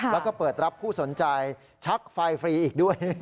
แล้วก็เปิดรับผู้สนใจชักไฟฟรีอีกด้วย